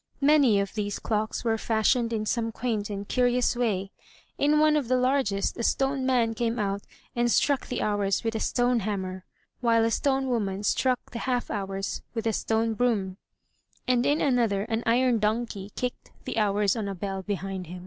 Many of these clocks were fashioned in some quaint and curious way. In one of the largest a stone man came out and struck the hours with a stone hammer, while a stone woman struck the half hours with a stone broom; and in another an iron donkey kicked the hours on a bell behind him.